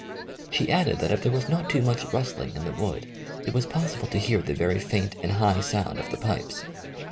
She added that if there was not too much rustling in the wood it was possible to hear the very faint and high sound of the pipes.